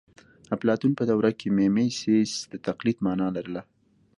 اپلاتون په دوره کې میمیسیس د تقلید مانا لرله